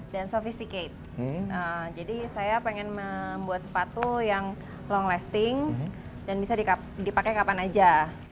dan sophisticated jadi saya ingin membuat sepatu yang long lasting dan bisa dipakai kapan saja